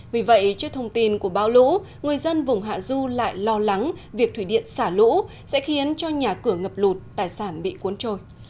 vì vậy trước thông tin của bão lũ người dân vùng hạ du lại lo lắng việc thủy điện xả lũ sẽ khiến cho nhà cửa ngập lụt tài sản bị cuốn trôi